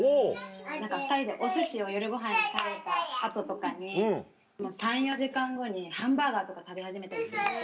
２人でお寿司を夜ごはんに食べた後とかに３４時間後にハンバーガーとか食べ始めたりするんですよ。